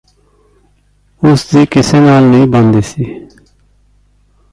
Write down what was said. ਉਸ ਦੀ ਕਿਸੇ ਨਾਲ ਨਹੀਂ ਬਣਦੀ ਸੀ